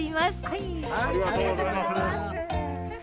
ありがとうございます。